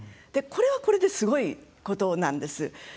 これはこれですごいことなんです。